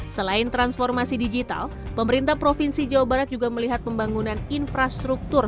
selain transformasi digital pemerintah provinsi jawa barat juga melihat pembangunan infrastruktur